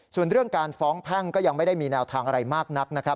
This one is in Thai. ส่วนเรื่องการฟ้องแพ่งก็ยังไม่ได้มีแนวทางอะไรมากนักนะครับ